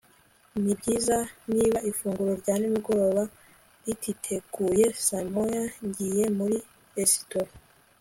Nibyiza niba ifunguro rya nimugoroba rititeguye saa moya ngiye muri resitora